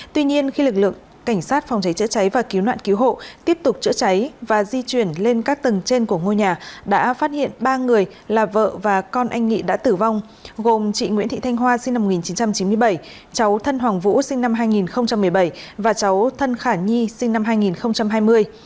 tuy nhiên khi lực lượng cảnh sát phòng cháy chữa cháy và cứu nạn cứu hộ tiếp tục chữa cháy và di chuyển lên các tầng trên của ngôi nhà đã phát hiện ba người là vợ và con anh nghị đã tử vong gồm chị nguyễn thị thanh hoa sinh năm một nghìn chín trăm chín mươi bảy cháu thân hoàng vũ sinh năm hai nghìn một mươi bảy và cháu thân khả nhi sinh năm hai nghìn hai mươi